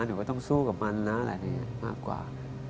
หนูก็ต้องสู้กับมันนะอะไรอย่างนี้มากกว่า